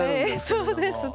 そうですね